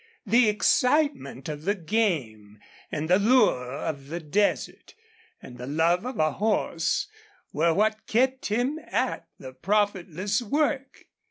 The excitement of the game, and the lure of the desert, and the love of a horse were what kept him at the profitless work.